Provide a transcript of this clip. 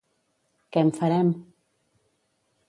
Què en farem?